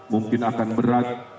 mungkin akan berat